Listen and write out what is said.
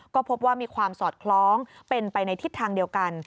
ก็พบว่ามีความสอดคล้องเป็นไปในทิศทางเดียวกัน